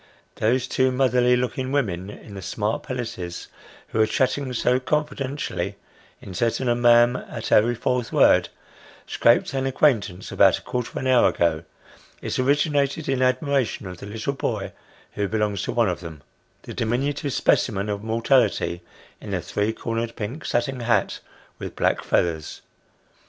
Those two motherly looking women in the smart pelisses, who are chatting so confidentially, inserting a " ma'am " at every fourth word, scraped an acquaintance about a quarter of an hour ago : it originated in admiration of the little boy who belongs to one of them that diminutive specimen of mortality in the three cornered pink satin hat with black feathers.